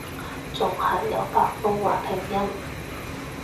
仲係有北方話拼音